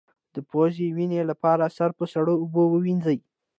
د پوزې وینې لپاره سر په سړو اوبو ووینځئ